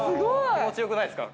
気持ちよくないですか？